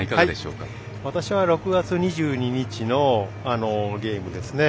私は６月２２日のゲームですね。